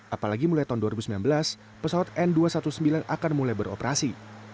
apalagi mulai tahun dua ribu sembilan belas pesawat n dua ratus sembilan belas akan mulai beroperasi